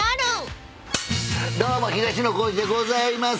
どうも東野幸治でございます。